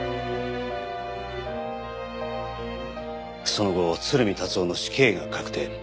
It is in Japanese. その後鶴見達男の死刑が確定。